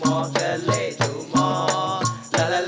ฮรีรายโยแท่เดิมบินแบบสาอิงหาดูหมอ